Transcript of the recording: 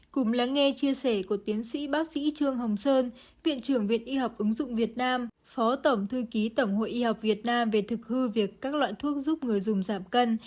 cùng lắng nghe chia sẻ của tiến sĩ bác sĩ trương hồng sơn viện trưởng viện y học ứng dụng việt nam phó tổng thư ký tổng hội y học việt nam về thực hư việc các loại thuốc giúp người dùng giảm cân